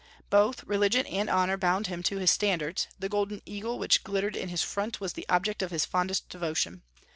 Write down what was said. Both religion and honor bound him to his standards; the golden eagle which glittered in his front was the object of his fondest devotion.